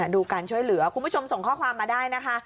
ดูการช่วยเหลือคุณผู้ชมส่งข้อความมาได้นะคะ